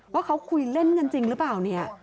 ว่าเขาคุยเล่นกันจริงหรือเปล่าเนี่ย